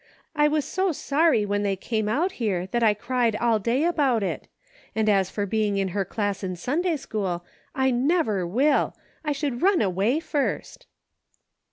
I was so sorry when they came out here that I cried all day about it ; and as for being in her class in Sunday school, I never will ! I should run away first